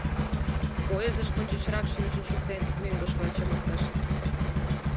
Поездыш ончычрак шинчын шуктен, мӧҥгышкыла чымыктыш.